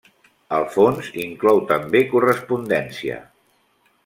El fons inclou també correspondència.